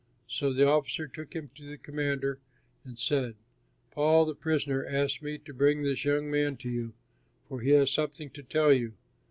So the officer took him to the commander and said, "Paul the prisoner asked me to bring this young man to you, for he has something to tell you."